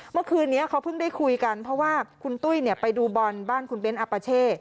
เมื่อคืนนี้เขาเพิ่งได้คุยกันเพราะว่าคุณตุ้ยไปดูบอลบ้านคุณเบ้นอาปาเช่